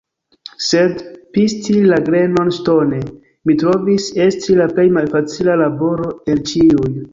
Sed, pisti la grenon ŝtone, mi trovis esti la plej malfacila laboro el ĉiuj.